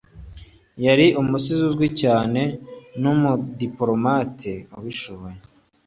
Yari umusizi uzwi cyane numudipolomate ubishoboye.